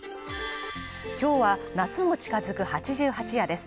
今日は夏も近づく八十八夜です。